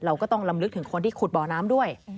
ก็ต้องลำลึกถึงคนที่ขุดบ่อน้ำด้วย